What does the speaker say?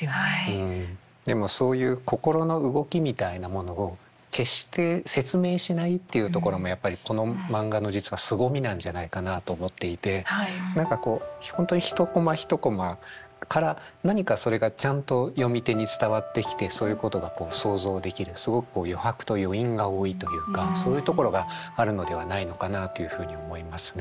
うんでもそういう心の動きみたいなものを決して説明しないっていうところもやっぱりこのマンガの実はすごみなんじゃないかなと思っていて何かこう本当に一コマ一コマから何かそれがちゃんと読み手に伝わってきてそういうことがこう想像できるすごく余白と余韻が多いというかそういうところがあるのではないのかなというふうに思いますね。